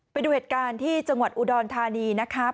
ไปดูเหตุการณ์ที่จังหวัดอุดรธานีนะครับ